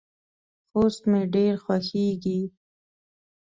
خوست مې ډیر خوښیږي.